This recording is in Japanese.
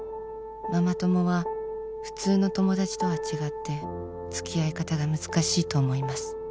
ママ友は普通の友達とは違って付き合い方が難しいと思います」